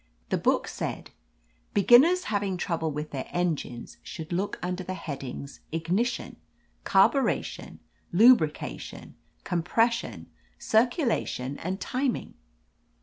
The book said: "Beginners having trouble with their engines should look under the headings Ignition, Carburation, Lu brication, Compression; Circulation and Tim ing."